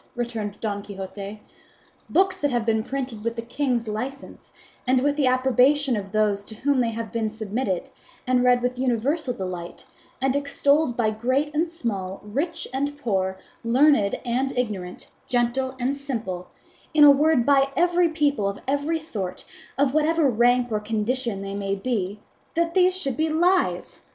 returned Don Quixote. "Books that have been printed with the king's licence, and with the approbation of those to whom they have been submitted, and read with universal delight, and extolled by great and small, rich and poor, learned and ignorant, gentle and simple, in a word by people of every sort, of whatever rank or condition they may be that these should be lies!